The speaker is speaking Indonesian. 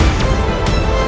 aku tidak mau